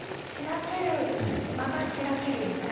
「場がしらける」みたいな？